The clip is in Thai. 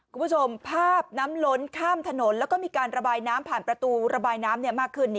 คุณผู้ชมภาพน้ำล้นข้ามถนนแล้วก็มีการระบายน้ำผ่านประตูระบายน้ำมากขึ้น